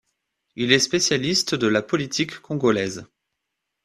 Il est spécialiste de la politique congolaise.